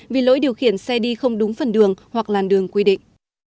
vì lỗi điều khiển xe đi không đúng phần đường hoặc làn đường quy định